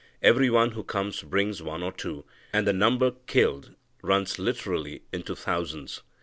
Every one who comes brings one or two, and the number killed runs literally into thousands.